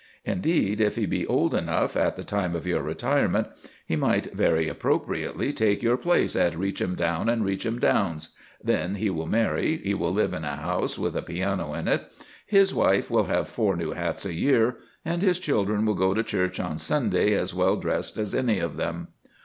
Indeed, if he be old enough at the time of your "retirement," he might very appropriately take your place at Reachemdown & Reachemdown's; then he will marry, he will live in a house with a piano in it, his wife will have four new hats a year, and his children will go to church on Sundays as well dressed as any of them.